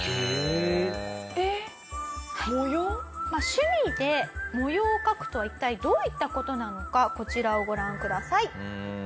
趣味で模様を描くとは一体どういった事なのかこちらをご覧ください。